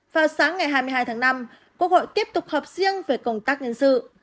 vào sáng ngày hai mươi hai tháng năm quốc hội tiếp tục họp riêng về công tác nhân sự